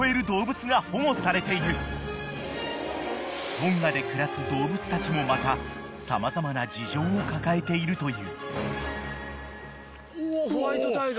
［トンガで暮らす動物たちもまた様々な事情を抱えているという］